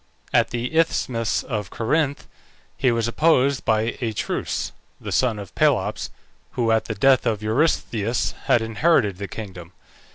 At the isthmus of Corinth he was opposed by Atreus, the son of Pelops, who at the death of Eurystheus had inherited the kingdom.